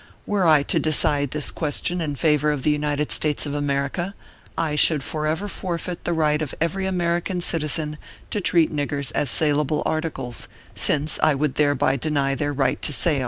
Were I to decide this question in favor of the United States of America, I should forever forfeit the right of every American citizen to treat niggers as sailable articles, since I would thereby deny their right to sail.